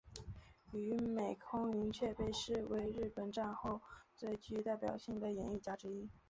与美空云雀被视为日本战后最具代表性的演艺家之一。